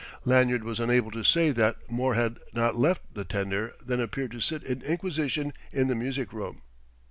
Lanyard was unable to say that more had not left the tender than appeared to sit in inquisition in the music room.